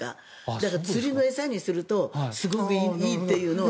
だから、釣りの餌にするとすごくいいというのを。